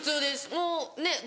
もうねっ。